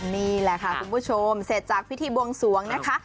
นี่แหละค่ะคุณผู้ชมเสร็จจากพิธีบวงสวงนะคะ